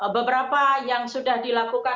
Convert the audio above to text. beberapa yang sudah dilakukan